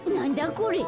これ。